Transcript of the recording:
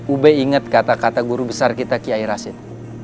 ube ingat kata kata guru besar kita kiai rashid